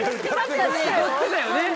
歌ってたよね。